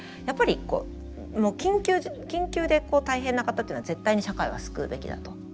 やっぱり緊急で大変な方っていうのは絶対に社会は救うべきだと。